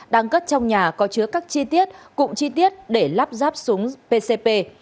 đang cất trong nhà có chứa các chi tiết cụm chi tiết để lắp ráp súng pcp